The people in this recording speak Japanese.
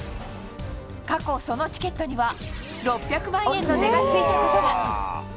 過去、そのチケットには６００万円の値がついたことが。